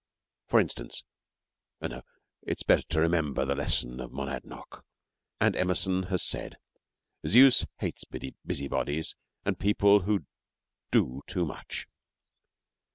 For instance no, it is better to remember the lesson Monadnock, and Emerson has said, 'Zeus hates busy bodies and people who do too much.'